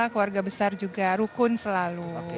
keluarga besar juga rukun selalu